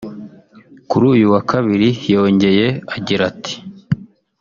kuri uyu wa kabiri yongeye agira ati